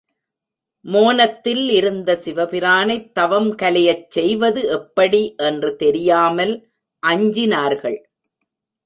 மோனத்தில் இருந்த சிவபிரானைத் தவம் கலையச் செய்வது எப்படி என்று தெரியாமல் அஞ்சினார்கள்.